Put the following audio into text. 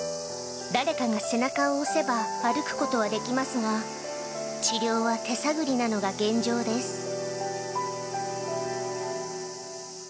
誰かが背中を押せば、歩くことはできますが、治療は手探りなのが現状です。